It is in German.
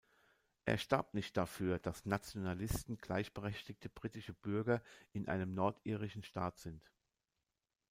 Er starb nicht dafür, dass Nationalisten gleichberechtigte britische Bürger in einem nordirischen Staat sind".